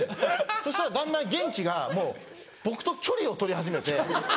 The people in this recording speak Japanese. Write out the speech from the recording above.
そしたらだんだん元輝がもう僕と距離をとり始めて。